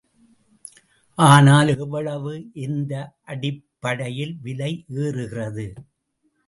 ஆனால், எவ்வளவு, எந்த அடிப்படையில் விலை ஏறுகிறது?